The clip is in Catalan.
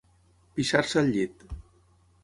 Pixar-se al llit.